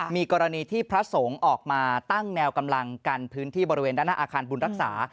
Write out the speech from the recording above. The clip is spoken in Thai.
มีกรณีที่พระสงฆ์ออกมาตั้งแนวกำลังกันพื้นที่บริเวณด้านหน้าอาคารบุญรักษา